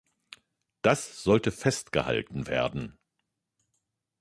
Das sollte festgehalten werden.